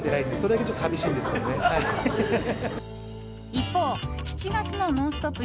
一方、７月の「ノンストップ！」